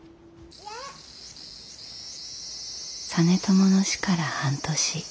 実朝の死から半年。